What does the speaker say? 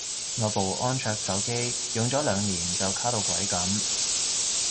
我部安卓手機用咗兩年就卡到鬼噉